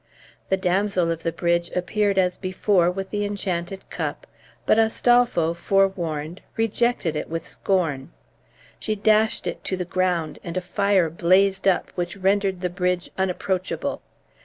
The damsel of the bridge appeared as before with the enchanted cup, but Astolpho, forewarned, rejected it with scorn. She dashed it to the ground, and a fire blazed up which rendered the bridge unapproachable.